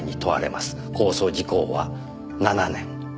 公訴時効は７年。